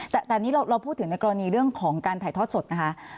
แต่อันนี้เราพูดถึงในกรณีเรื่องของการถ่ายทอดสดนะคะ